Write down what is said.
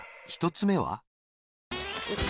１つ目は？